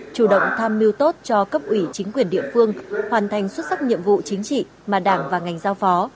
chủ động tham mưu tốt cho cấp ủy chính quyền địa phương hoàn thành xuất sắc nhiệm vụ chính trị mà đảng và ngành giao phó